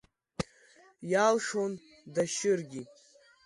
Иалшон дашьыргьы.